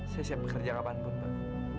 saya siap bekerja kapanpun pak